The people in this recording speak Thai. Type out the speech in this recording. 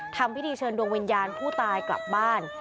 ทำพิธีเชิญดวงวิญญาณผู้ตายกลับบ้าน